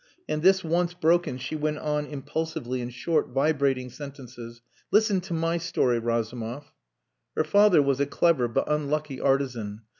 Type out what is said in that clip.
And this once broken, she went on impulsively in short, vibrating sentences "Listen to my story, Razumov!..." Her father was a clever but unlucky artisan.